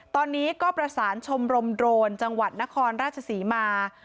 ตอนนี้ก็ประสานชมรมโดรนจังหวัดนครราชศรีมา